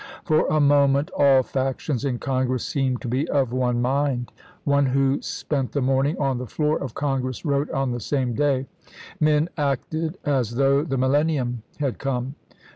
For a moment all factions in Congress seemed to be of one mind. One who spent the morning on the floor of Con gress wrote on the same day: "Men acted as though the millennium had come.